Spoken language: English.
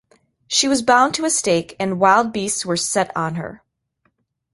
She was bound to a stake and wild beasts were set on her.